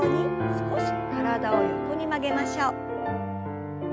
少し体を横に曲げましょう。